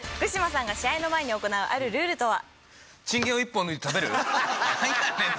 福島さんが試合の前に行うあるルールとは？